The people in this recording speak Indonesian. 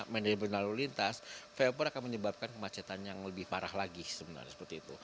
manajemen lalu lintas flyover akan menyebabkan kemacetan yang lebih parah lagi